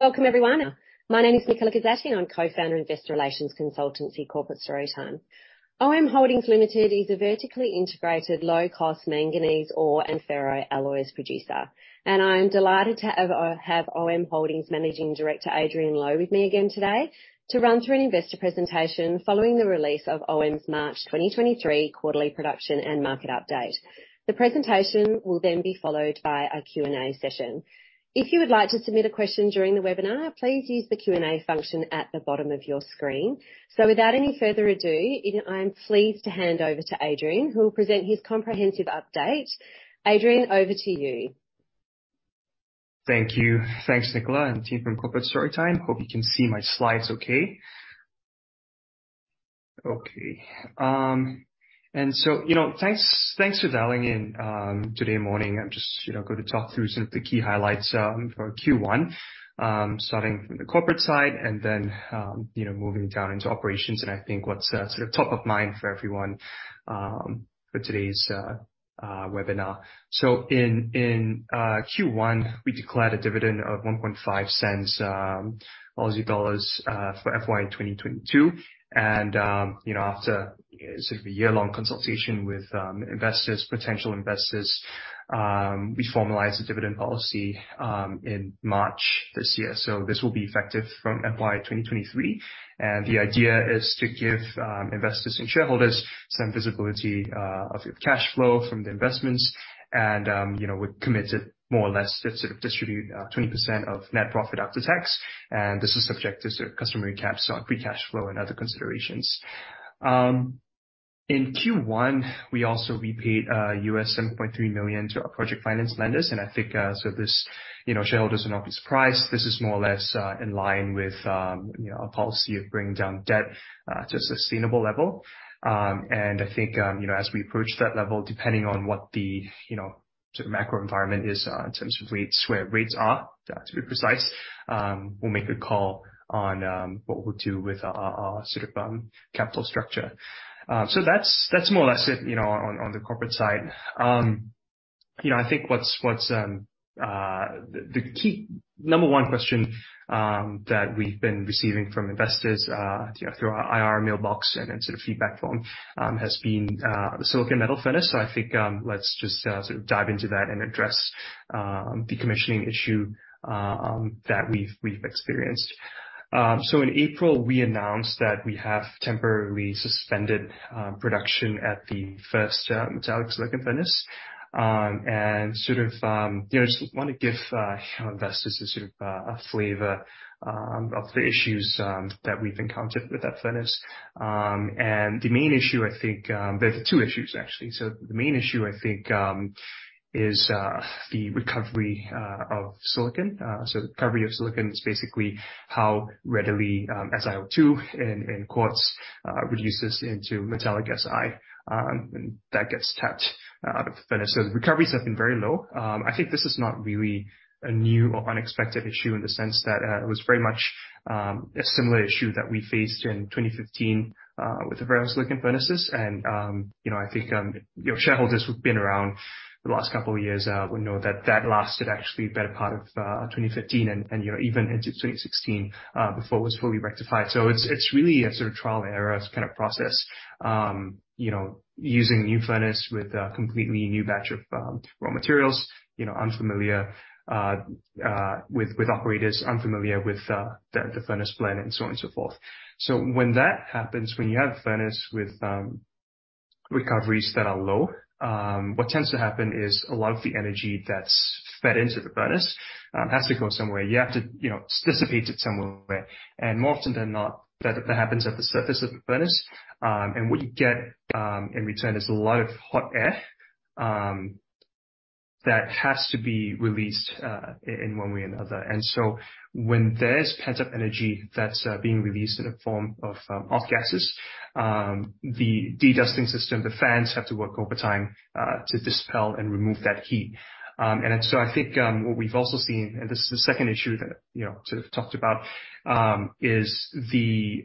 Welcome, everyone. My name is Nicola Gosatti. I'm co-founder investor relations consultancy Corporate Storytime. OM Holdings Limited is a vertically integrated, low-cost manganese ore and ferroalloys producer, and I am delighted to have OM Holdings Managing Director Adrian Low with me again today to run through an investor presentation following the release of OM's March 23 quarterly production and market update. The presentation will then be followed by a Q&A session. If you would like to submit a question during the webinar, please use the Q&A function at the bottom of your screen. Without any further ado, I am pleased to hand over to Adrian, who will present his comprehensive update. Adrian, over to you. Thank you. Thanks, Nicola and team from Corporate Storytime. Hope you can see my slides okay. You know, thanks for dialing in today morning. I'm just, you know, going to talk through some of the key highlights for Q1, starting from the corporate side and then, you know, moving down into operations and I think what's sort of top of mind for everyone for today's webinar. In Q1, we declared a dividend of 0.015 for FY 2022. You know, after sort of a year-long consultation with investors, potential investors, we formalized a dividend policy in March this year. This will be effective from FY 2023. The idea is to give investors and shareholders some visibility of cash flow from the investments. You know, we're committed more or less to sort of distribute 20% of net profit after tax. This is subject to certain customary caps on free cash flow and other considerations. In Q1, we also repaid $7.3 million to our project finance lenders. I think, so this, you know, shareholders are not surprised. This is more or less in line with, you know, our policy of bringing down debt to a sustainable level. I think, you know, as we approach that level, depending on what the, you know, sort of macro environment is, in terms of rates, where rates are, to be precise, we'll make a call on what we'll do with our, our sort of, capital structure. That's, that's more or less it, you know, on the corporate side. You know, I think what's the key number one question that we've been receiving from investors, you know, through our IR mailbox and sort of feedback form, has been the silicon metal furnace. I think, let's just sort of dive into that and address the commissioning issue that we've experienced. In April, we announced that we have temporarily suspended production at the first Metallic silicon furnace. Sort of, you know, just wanna give our investors a sort of a flavor of the issues that we've encountered with that furnace. The main issue I think. There's two issues actually. The main issue I think is the recovery of silicon. The recovery of silicon is basically how readily SiO2 in quartz reduces into Metallic Si, and that gets tapped out of the furnace. The recoveries have been very low. I think this is not really a new or unexpected issue in the sense that it was very much a similar issue that we faced in 2015 with the various silicon furnaces. You know, I think, you know, shareholders who've been around the last couple of years would know that that lasted actually better part of 2015 and, you know, even into 2016 before it was fully rectified. It's really a sort of trial and error kind of process, you know, using new furnace with a completely new batch of raw materials, you know, unfamiliar with operators, unfamiliar with the furnace blend and so on and so forth. When that happens, when you have a furnace with recoveries that are low, what tends to happen is a lot of the energy that's fed into the furnace has to go somewhere. You have to, you know, dissipate it somewhere. More often than not, that happens at the surface of the furnace. What you get in return is a lot of hot air that has to be released in one way or another. When there's pent-up energy that's being released in the form of off gases, the dedusting system, the fans have to work overtime to dispel and remove that heat. I think what we've also seen, and this is the second issue that, you know, sort of talked about, is the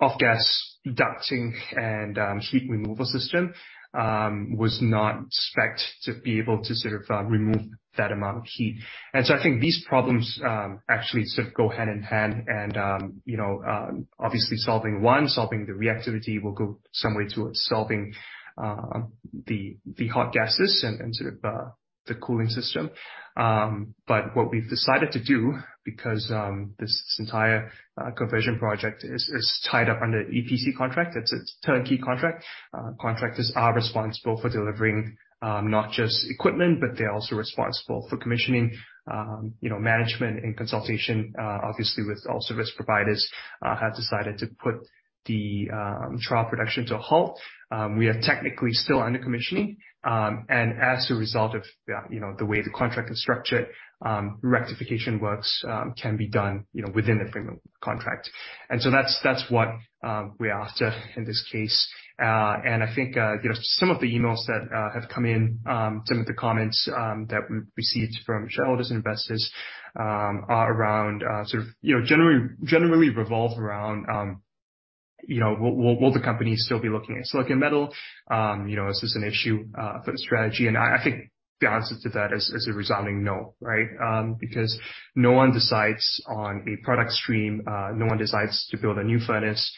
off-gas ducting and heat removal system was not specced to be able to sort of remove that amount of heat. I think these problems, actually sort of go hand in hand and, you know, obviously solving one, solving the reactivity will go some way to solving the hot gases and sort of the cooling system. What we've decided to do, because this entire conversion project is tied up under EPC contract, it's a turnkey contract. Contractors are responsible for delivering not just equipment, but they're also responsible for commissioning. You know, management and consultation, obviously, with all service providers, have decided to put the trial production to a halt. We are technically still under commissioning. As a result of, you know, the way the contract is structured, rectification works can be done, you know, within the frame of contract. That's, that's what we're after in this case. I think, you know, some of the emails that have come in, some of the comments that we've received from shareholders and investors are around, sort of, you know, generally revolve around, you know, will the company still be looking at silicon metal? You know, is this an issue for the strategy? I think the answer to that is a resounding no, right? Because no one decides on a product stream, no one decides to build a new furnace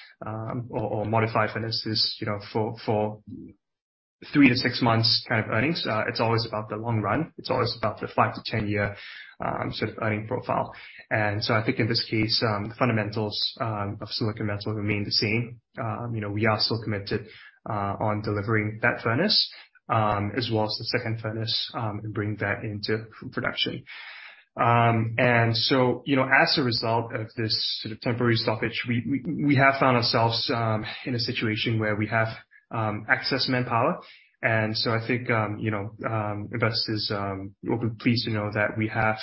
or modify furnaces, you know, for three to six months kind of earnings. It's always about the long run. It's always about the 5 to 10 year sort of earning profile. I think in this case, fundamentals of silicon metal remain the same. You know, we are still committed on delivering that furnace, as well as the second furnace, and bringing that into production. You know, as a result of this sort of temporary stoppage, we have found ourselves in a situation where we have excess manpower. I think, you know, investors will be pleased to know that we have,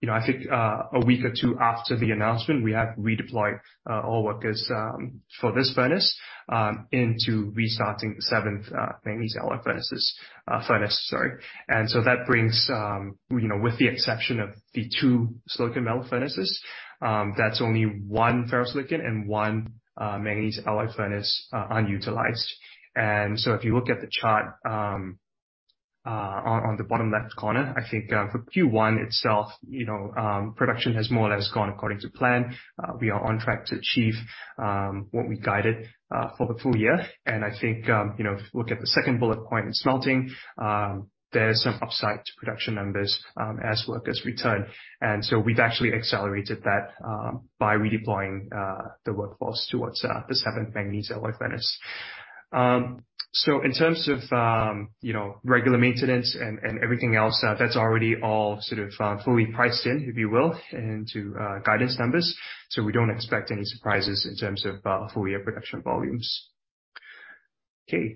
you know, I think a week or 2 after the announcement, we have redeployed all workers for this furnace into restarting the seventh manganese alloy furnaces. Furnace, sorry. That brings, you know, with the exception of the two silicon metal furnaces, that's only one ferrosilicon and one manganese alloy furnace unutilized. If you look at the chart, on the bottom left corner, I think, for Q1 itself, you know, production has more or less gone according to plan. We are on track to achieve what we guided for the full year. I think, you know, if you look at the second bullet point in smelting, there's some upside to production numbers as workers return. We've actually accelerated that by redeploying the workforce towards the seventh manganese alloy furnace. In terms of, you know, regular maintenance and everything else, that's already all sort of, fully priced in, if you will, into guidance numbers. We don't expect any surprises in terms of full year production volumes. You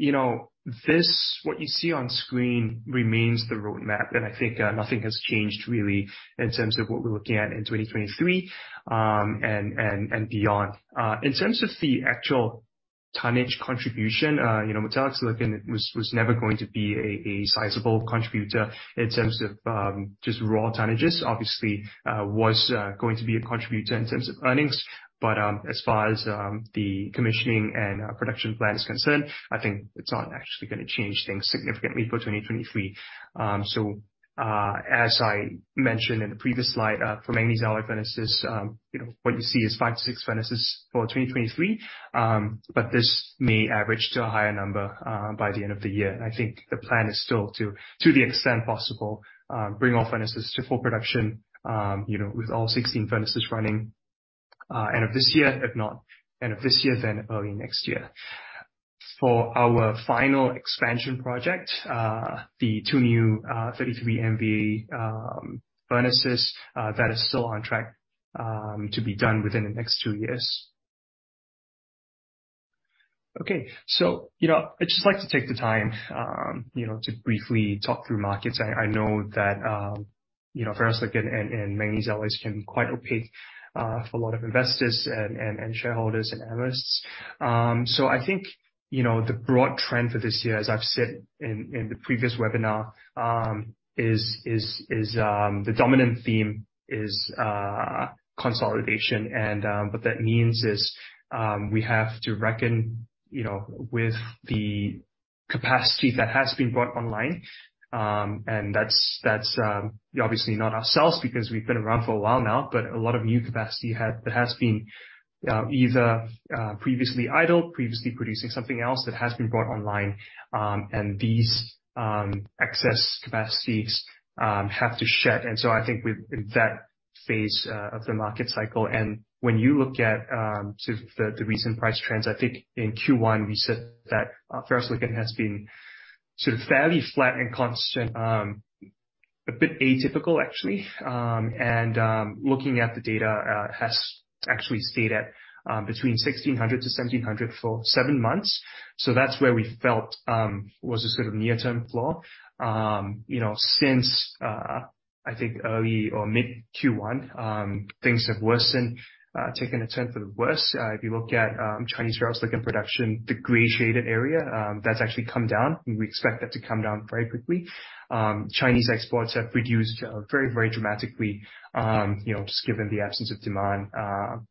know, this, what you see on screen remains the roadmap, and I think nothing has changed really in terms of what we're looking at in 2023 and beyond. In terms of the actual tonnage contribution, you know, metallic silicon was never going to be a sizable contributor in terms of just raw tonnages. Obviously, was going to be a contributor in terms of earnings, but as far as the commissioning and production plan is concerned, I think it's not actually going to change things significantly for 2023. As I mentioned in the previous slide, for manganese alloy furnaces, you know, what you see is 5-6 furnaces for 2023, but this may average to a higher number by the end of the year. I think the plan is still to the extent possible, bring all furnaces to full production, you know, with all 16 furnaces running end of this year. If not end of this year, then early next year. For our final expansion project, the two new, 33 MV furnaces, that is still on track to be done within the next two years. Okay. You know, I'd just like to take the time, you know, to briefly talk through markets. I know that, you know, ferrosilicon and manganese alloys can be quite opaque for a lot of investors and shareholders and analysts. I think, you know, the broad trend for this year, as I've said in the previous webinar, the dominant theme is consolidation. What that means is, we have to reckon, you know, with the capacity that has been brought online, and that's obviously not ourselves because we've been around for a while now, but a lot of new capacity has been either previously idle, previously producing something else that has been brought online. These excess capacities have to shed. I think we're in that phase of the market cycle. When you look at sort of the recent price trends, I think in Q1 we said that ferrosilicon has been sort of fairly flat and constant, a bit atypical actually. Looking at the data, has actually stayed at between 1,600-1,700 for 7 months. That's where we felt was a sort of near-term floor. You know, since I think early or mid Q1, things have worsened, taken a turn for the worse. If you look at Chinese ferrosilicon production, the gray shaded area, that's actually come down, and we expect that to come down very quickly. Chinese exports have reduced very, very dramatically, you know, just given the absence of demand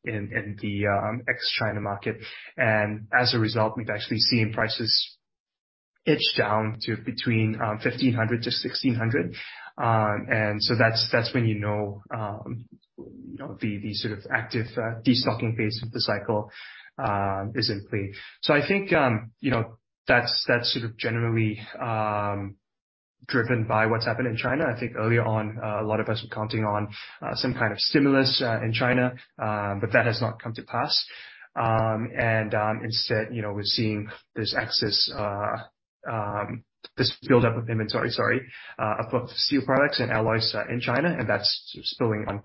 in the ex-China market. As a result, we've actually seen prices itch down to between 1,500-1,600. That's, that's when you know, you know, the sort of active destocking phase of the cycle is in play. I think, you know, that's sort of generally driven by what's happened in China. I think early on, a lot of us were counting on some kind of stimulus in China, but that has not come to pass. Instead, you know, we're seeing this excess, this buildup of inventory, sorry, of steel products and alloys in China, and that's spilling on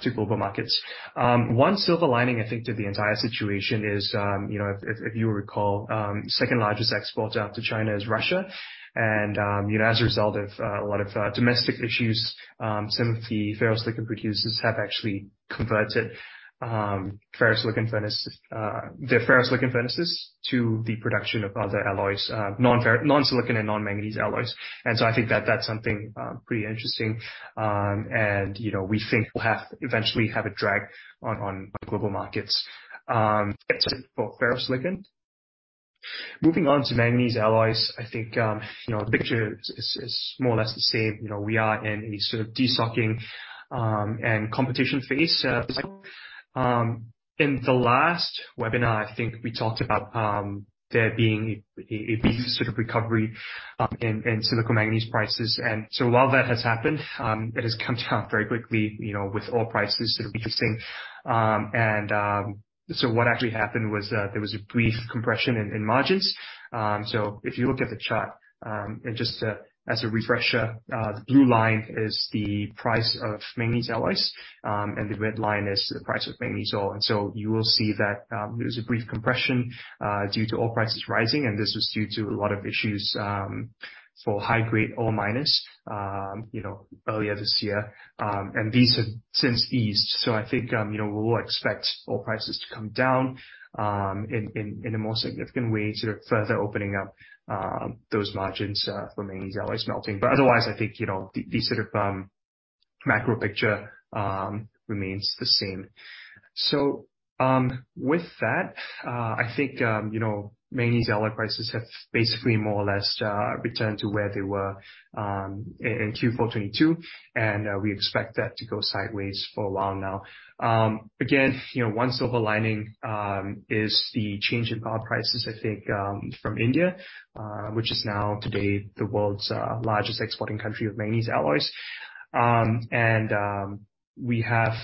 to global markets. One silver lining, I think, to the entire situation is, you know, if you recall, second largest exporter after China is Russia. You know, as a result of a lot of domestic issues, some of the ferrosilicon producers have actually converted ferrosilicon furnace, their ferrosilicon furnaces to the production of other alloys, non-ferro, non-silicon and non-manganese alloys. I think that that's something pretty interesting. You know, we think we'll have, eventually have a drag on global markets, for ferrosilicon. Moving on to manganese alloys, I think, you know, the picture is more or less the same. You know, we are in a sort of de-stocking, and competition phase, cycle. In the last webinar, I think we talked about, there being a big sort of recovery, in silicomanganese prices. So while that has happened, it has come down very quickly, you know, with oil prices sort of increasing. So what actually happened was that there was a brief compression in margins. So if you look at the chart, and just to-- as a refresher, the blue line is the price of manganese alloys, and the red line is the price of manganese ore. You will see that, there was a brief compression, due to oil prices rising, and this was due to a lot of issues, for high grade ore miners, you know, earlier this year. These have since eased. I think, you know, we will expect oil prices to come down, in a more significant way to further opening up, those margins, for manganese alloys melting. Otherwise, I think, you know, the sort of, macro picture, remains the same. With that, I think, you know, manganese alloy prices have basically more or less returned to where they were in Q4 2022, and we expect that to go sideways for a while now. Again, you know, one silver lining, is the change in power prices I think, from India, which is now today the world's largest exporting country of manganese alloys. We have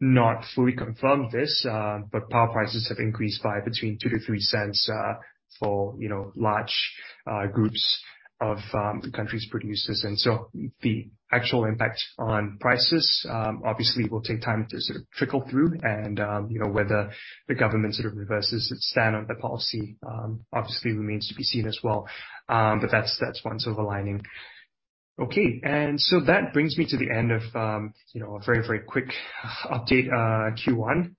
not fully confirmed this, but power prices have increased by between 0.02 and 0.03, for, you know, large groups of the country's producers. The actual impact on prices, obviously will take time to sort of trickle through and, you know, whether the government sort of reverses its stand on the policy, obviously remains to be seen as well. That's, that's one silver lining. Okay. That brings me to the end of, you know, a very, very quick update, Q1.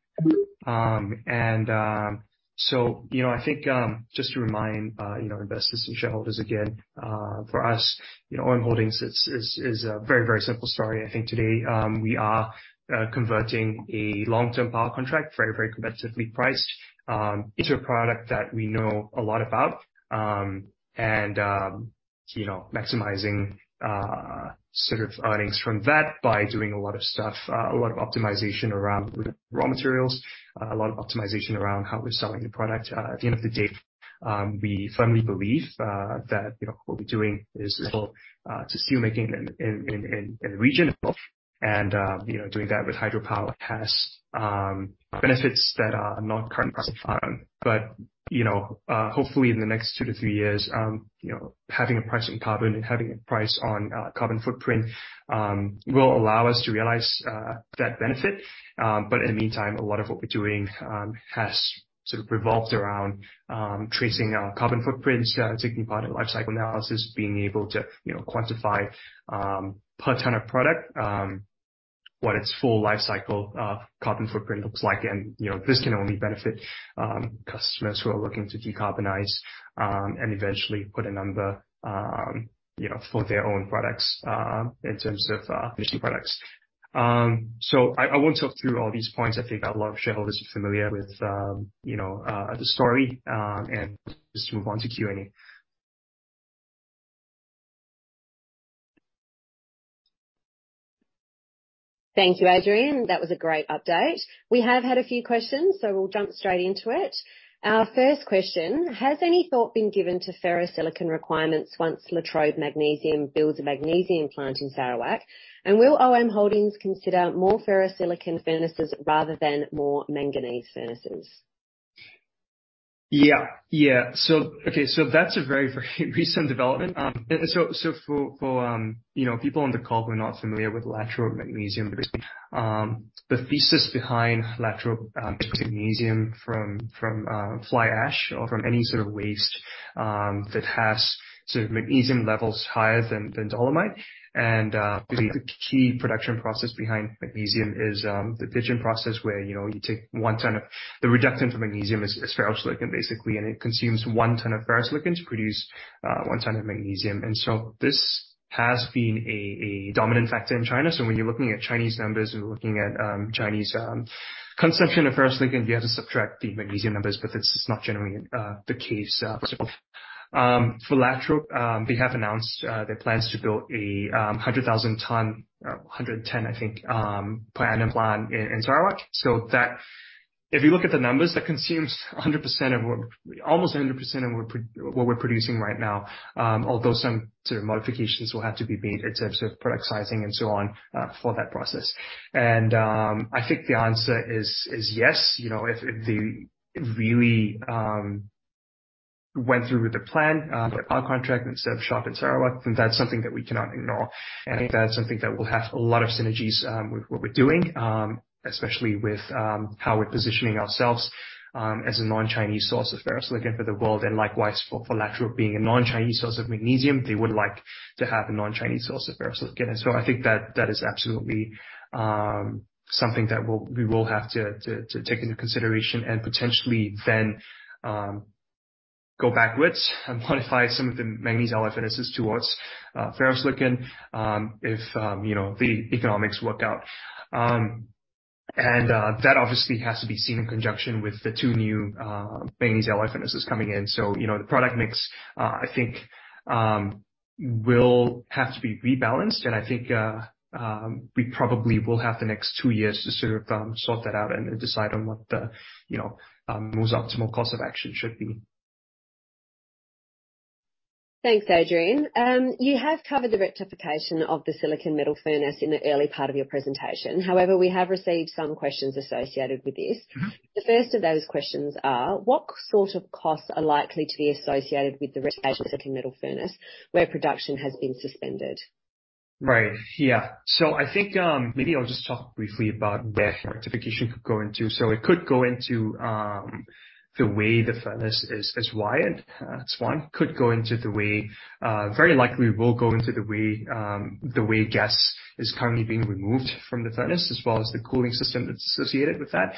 You know, I think, just to remind, you know, investors and shareholders again, for us, you know, OM Holdings is a very, very simple story. I think today, we are converting a long-term power contract, very, very competitively priced, into a product that we know a lot about. You know, maximizing, sort of earnings from that by doing a lot of stuff, a lot of optimization around raw materials, a lot of optimization around how we're selling the product. At the end of the day, we firmly believe that, you know, what we're doing is helpful to steel making in the region. You know, doing that with hydropower has benefits that are not currently priced on. You know, hopefully in the next 2 to 3 years, you know, having a price on carbon and having a price on carbon footprint will allow us to realize that benefit. In the meantime, a lot of what we're doing has sort of revolved around tracing our carbon footprints, taking part in life-cycle analysis, being able to, you know, quantify per ton of product what its full life-cycle carbon footprint looks like. You know, this can only benefit customers who are looking to decarbonize and eventually put a number, you know, for their own products in terms of finishing products. I won't talk through all these points. I think a lot of shareholders are familiar with, you know, the story and just move on to Q&A. Thank you, Adrian. That was a great update. We have had a few questions. We'll jump straight into it. Our first question, has any thought been given to ferrosilicon requirements once Latrobe Magnesium builds a magnesium plant in Sarawak? Will OM Holdings consider more ferrosilicon furnaces rather than more manganese furnaces? Yeah. Yeah. Okay, that's a very, very recent development. For, you know, people on the call who are not familiar with Latrobe Magnesium, the thesis behind Latrobe, making magnesium from fly ash or from any sort of waste, that has sort of magnesium levels higher than dolomite. The key production process behind magnesium is the Pidgeon process, where, you know, you take 1 ton of... The reductant for magnesium is ferrosilicon, basically, and it consumes 1 ton of ferrosilicon to produce 1 ton of magnesium. This has been a dominant factor in China. When you're looking at Chinese numbers, when you're looking at Chinese consumption of ferrosilicon, you have to subtract the magnesium numbers, but it's not generally the case itself. For Latrobe, they have announced their plans to build a 100,000 ton or 110, I think, planning plant in Sarawak. If you look at the numbers, that consumes almost 100% of what we're producing right now, although some sort of modifications will have to be made in terms of product sizing and so on for that process. I think the answer is yes. You know, if they really went through with the plan, the power contract and set up shop in Sarawak, then that's something that we cannot ignore. I think that's something that will have a lot of synergies with what we're doing, especially with how we're positioning ourselves as a non-Chinese source of ferrosilicon for the world. Likewise for Latrobe being a non-Chinese source of magnesium. They would like to have a non-Chinese source of ferrosilicon. I think that is absolutely something that we will have to take into consideration and potentially then go backwards and modify some of the manganese alloy furnaces towards ferrosilicon, if, you know, the economics work out. That obviously has to be seen in conjunction with the two new manganese alloy furnaces coming in. You know, the product mix, I think, will have to be rebalanced. I think, we probably will have the next two years to sort of, sort that out and decide on what the, you know, most optimal course of action should be. Thanks, Adrian. You have covered the rectification of the silicon metal furnace in the early part of your presentation. We have received some questions associated with this. Mm-hmm. The first of those questions are, what sort of costs are likely to be associated with the rectification metal furnace where production has been suspended? Right. Yeah. I think, maybe I'll just talk briefly about where rectification could go into. It could go into the way the furnace is wired. It's one. Could go into the way, very likely will go into the way gas is currently being removed from the furnace, as well as the cooling system that's associated with that.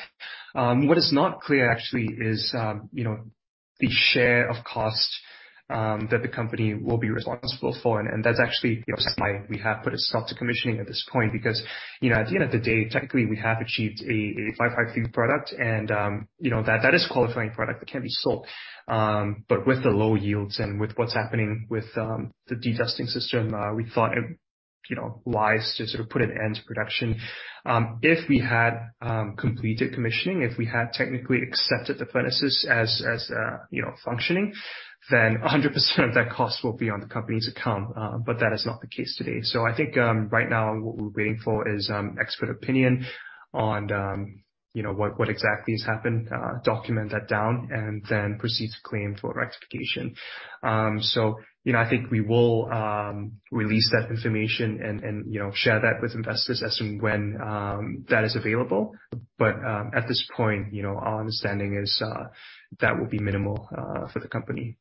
What is not clear actually is, you know, the share of cost that the company will be responsible for. That's actually, you know, why we have put a stop to commissioning at this point, because, you know, at the end of the day, technically we have achieved a 553 product and, you know, that is qualifying product that can be sold. With the low yields and with what's happening with the dedusting system, we thought it, you know, wise to sort of put an end to production. If we had completed commissioning, if we had technically accepted the furnaces as, you know, functioning, then 100% of that cost will be on the company's account. That is not the case today. I think right now what we're waiting for is expert opinion on, you know, exactly has happened, document that down and then proceed to claim for rectification. You know, I think we will release that information and share that with investors as and when that is available. At this point, you know, our understanding is, that will be minimal, for the company.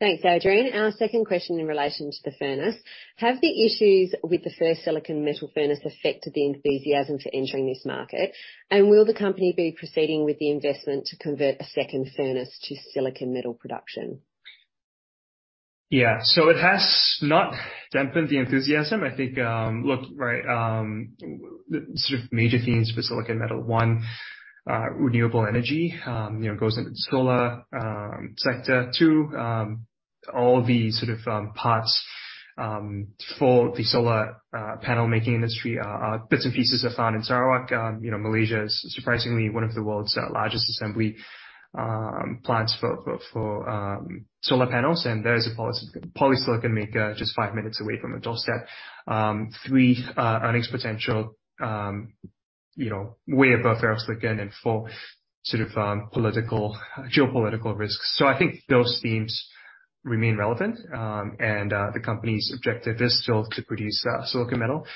Thanks, Adrian. Our second question in relation to the furnace. Have the issues with the first silicon metal furnace affected the enthusiasm for entering this market? Will the company be proceeding with the investment to convert a second furnace to silicon metal production? Yeah. It has not dampened the enthusiasm. I think, look, the sort of major themes for silicon metal. 1, renewable energy, you know, goes into the solar sector. 2, all the sort of parts for the solar panel making industry are bits and pieces are found in Sarawak. You know, Malaysia is surprisingly one of the world's largest assembly plants for solar panels. There's a polysilicon maker just 5 minutes away from the doorstep. 3, earnings potential, you know, way above ferrosilicon. 4, sort of political, geopolitical risks. I think those themes remain relevant. The company's objective is still to produce silicon metal.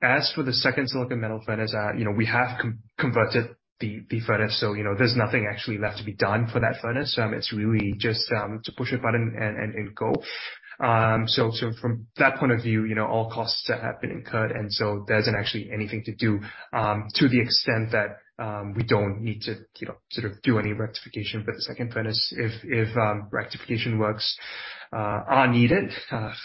As for the second silicon metal furnace, you know, we have converted the furnace, so you know, there's nothing actually left to be done for that furnace. It's really just to push a button and go. From that point of view, you know, all costs that have been incurred, there isn't actually anything to do to the extent that we don't need to, you know, do any rectification for the second furnace. If rectification works are needed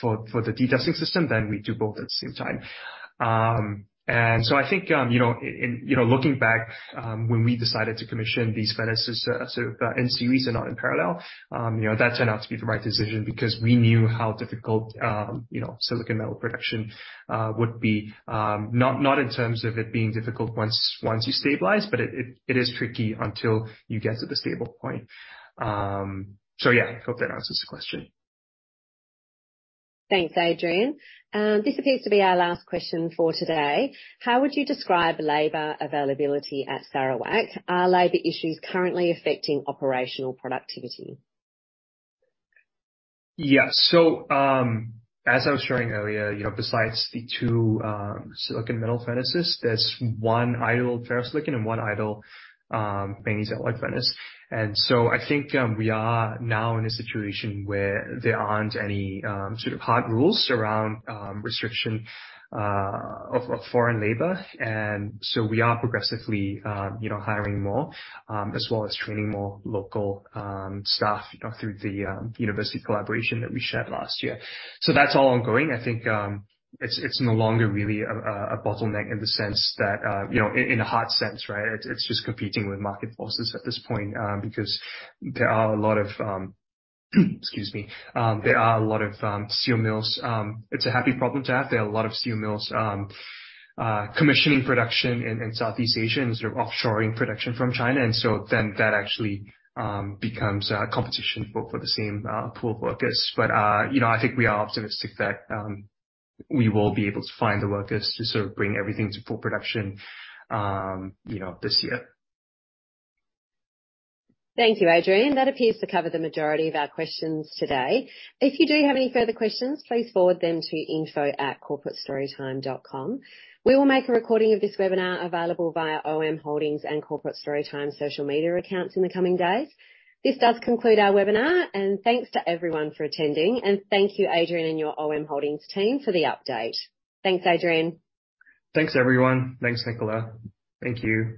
for the dedusting system, we do both at the same time. I think, you know, in, you know, looking back, when we decided to commission these furnaces in series and not in parallel, you know, that turned out to be the right decision because we knew how difficult, you know, silicon metal production would be. Not in terms of it being difficult once you stabilize, but it is tricky until you get to the stable point. Yeah, I hope that answers the question. Thanks, Adrian. This appears to be our last question for today. How would you describe labor availability at Sarawak? Are labor issues currently affecting operational productivity? Yeah. As I was showing earlier, you know, besides the 2 silicon metal furnaces, there's 1 idle ferrosilicon and 1 idle manganese alloy furnace. I think, we are now in a situation where there aren't any sort of hard rules around restriction of foreign labor. I think, we are progressively, you know, hiring more as well as training more local staff, you know, through the university collaboration that we shared last year. That's all ongoing. I think, it's no longer really a bottleneck in the sense that, you know, in a hard sense, right? It's just competing with market forces at this point, because there are a lot of, excuse me, there are a lot of steel mills. It's a happy problem to have. There are a lot of steel mills commissioning production in Southeast Asia and sort of offshoring production from China. That actually becomes competition for the same pool of workers. You know, I think we are optimistic that we will be able to find the workers to sort of bring everything to full production, you know, this year. Thank you, Adrian. That appears to cover the majority of our questions today. If you do have any further questions, please forward them to info@corporatestorytime.com. We will make a recording of this webinar available via OM Holdings and Corporate Storytime social media accounts in the coming days. This does conclude our webinar, and thanks to everyone for attending. Thank you, Adrian, and your OM Holdings team for the update. Thanks, Adrian. Thanks, everyone. Thanks, Nicola. Thank you.